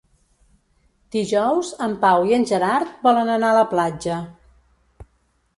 Dijous en Pau i en Gerard volen anar a la platja.